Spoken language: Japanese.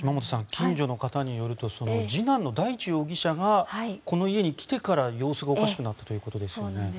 近所の方によると次男の大地容疑者がこの家に来てから様子がおかしくなったということですよね。